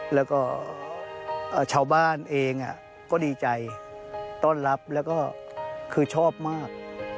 แล้วก็ชาวบ้านเองก็ดีใจต้อนรับแล้วก็คือชอบมาก